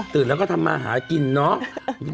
ตื่นแล้วก็ทำมาหากินเนาะ